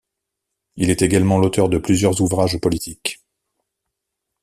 Il est également l'auteur de plusieurs ouvrages politiques.